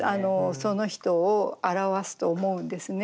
その人を表すと思うんですね。